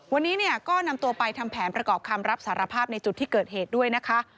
วันนี้เนี่ยก็นำตัวไปทำแผนประกอบคำรับสารภาพในจุดที่เกิดเหตุด้วยนะคะ